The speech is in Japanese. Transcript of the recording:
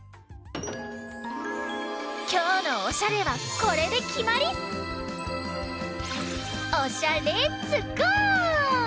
きょうのオシャレはこれできまり！オシャレッツゴー！